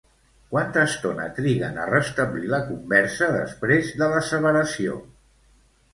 Quanta estona triguen a restablir la conversa, després de l'asseveració?